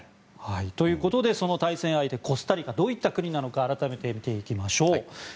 ということでその対戦相手、コスタリカはどういった国なのか改めて見ていきましょう。